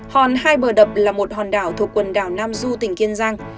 hòn hai bờ đập là một hòn đảo thuộc quần đảo nam du tỉnh kiên giang